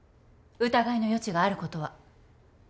疑いの余地があることは。